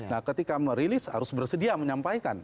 nah ketika merilis harus bersedia menyampaikan